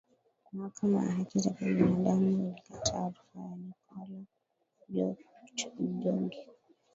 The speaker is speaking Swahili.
mahakama ya haki za binadamu ilikataa rufaa ya nikola jorgic